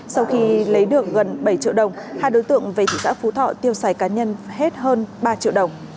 sau khi lấy được gần bảy triệu đồng hai đối tượng về thị xã phú thọ tiêu xài cá nhân hết hơn ba triệu đồng